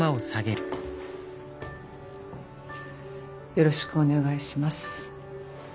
よろしくお願いします。